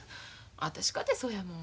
私かてそうやもん。